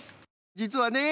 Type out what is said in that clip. じつはね